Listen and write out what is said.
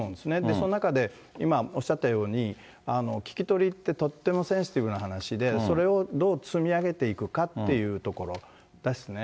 その中で、今おっしゃったように、聞き取りってとってもセンシティブな話で、それをどう積み上げていくかっていうところですね。